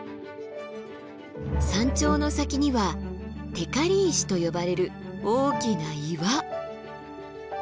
山頂の先には光石と呼ばれる大きな岩。